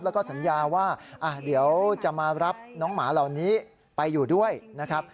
แล้วก็สัญญาว่าเดี๋ยวจะมารับน้องหมาเหล่านี้ไปอยู่ด้วยนะครับ